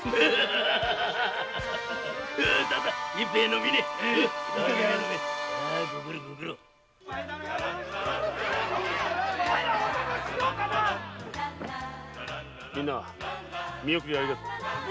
みんな見送りありがとう。